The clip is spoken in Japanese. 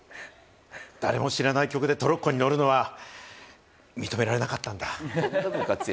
誰も知らない曲でトロッコに乗るのは認められなかったんだ。